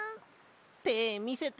てみせて。